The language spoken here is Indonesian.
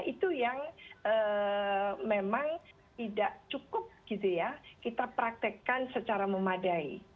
itu yang memang tidak cukup kita praktekkan secara memadai